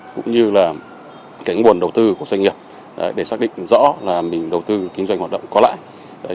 cũng như là cái nguồn đầu tư của doanh nghiệp để xác định rõ là mình đầu tư kinh doanh hoạt động có lãi